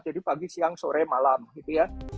jadi pagi siang sore malam gitu ya